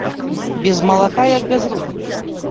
Без малака як без рук.